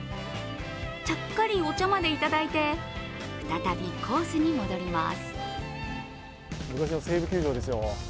ちゃっかりお茶までいただいて再びコースに戻ります。